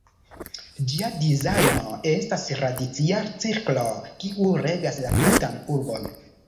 Ĝia dizajno estas radia cirklo kiu regas la tutan urbon.